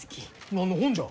何の本じゃ？